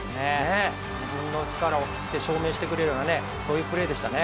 自分の力を証明してくれるような、そんなプレーでしたね。